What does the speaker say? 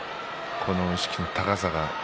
この意識の高さが。